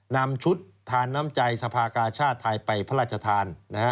นำชุดทานน้ำใจสภากาชาติไทยไปพระราชทาน